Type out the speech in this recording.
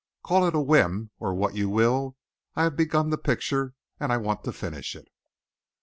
Call it a whim or what you will I have begun the picture, and I want to finish it."